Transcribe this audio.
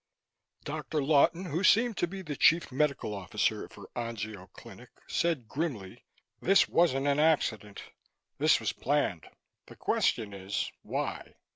VII Dr. Lawton, who seemed to be Chief Medical Officer for Anzio Clinic, said grimly: "This wasn't an accident. It was planned. The question is, why?"